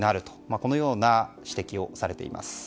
このような指摘をされています。